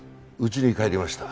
家に帰りました。